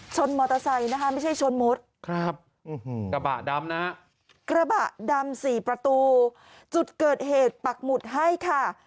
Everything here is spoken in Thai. มอเตอร์ไซค์นะคะไม่ใช่ชนหมดครับกระบะดำนะฮะกระบะดำสี่ประตูจุดเกิดเหตุปักหมุดให้ค่ะ